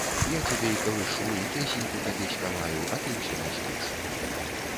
Я цябе і калышу і песеньку табе спяваю, а ты ўсё не спіш.